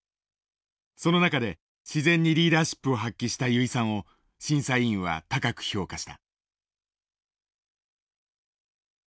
その中で自然にリーダーシップを発揮した油井さんを審査委員は高く評価した。